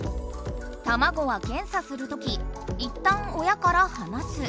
卵は検査するときいったん親からはなす。